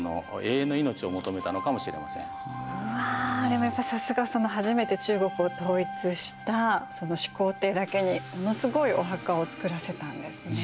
でもやっぱりさすが初めて中国を統一した始皇帝だけにものすごいお墓を造らせたんですね。